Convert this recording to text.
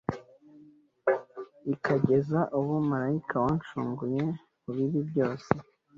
ikageza ubu, marayika wancunguye mu bibi byose